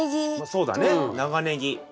そうだね長ネギ。